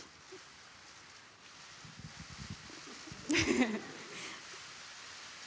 フフフ。